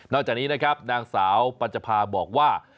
จากนี้นะครับนางสาวปัญจภาบอกว่า